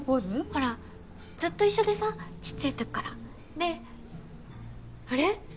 ほらずっと一緒でさちっちゃいときからであれ？